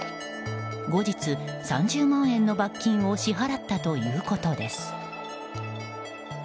後日３０万円の罰金を支払ったということです。